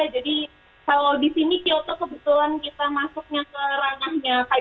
jadi kalau di sini kyoto kebetulan kita masuknya ke rangahnya kjri